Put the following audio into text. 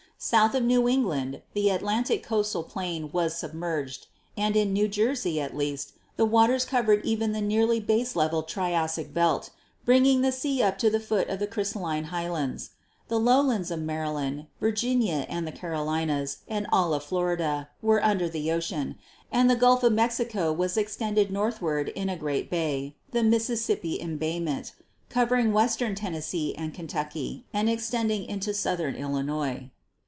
South of New England the Atlantic coastal plain was submerged, and in New Jersey, at least, the waters covered even the nearly base leveled Triassic belt, bringing the sea up to the foot of the crystal line highlands. The lowlands of Maryland, Virginia and the Carolinas and all of Florida were under the ocean, and the Gulf of Mexico was extended northward in a great bay (the Mississippi embayment), covering western HISTORICAL GEOLOGY 227 Tennessee and Kentucky and extending into southern Illinois.